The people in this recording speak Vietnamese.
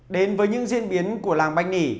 đến với những diễn biến của làng bánh nỉ